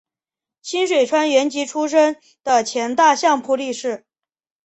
清水川元吉出身的前大相扑力士。